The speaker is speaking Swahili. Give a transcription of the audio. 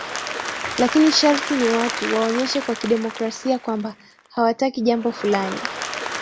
lakini sharti ni watu waonyeshe kwa kidemokrasia kwamba hawataki jambo fulani